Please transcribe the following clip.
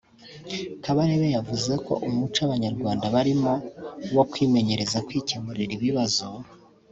Kabarebe yavuze ko umuco Abanyarwanda barimo wo kwimenyereza kwikemurira ibibazo